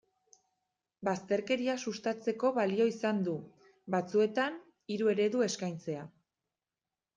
Bazterkeria sustatzeko balio izan du, batzuetan, hiru eredu eskaintzea.